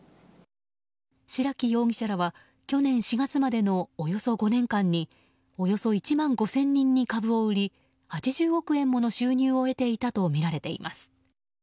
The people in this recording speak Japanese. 白木容疑者らは去年４月までのおよそ５年間におよそ１万５０００人に株を売り８０億円もの収入を得ていたとみられています。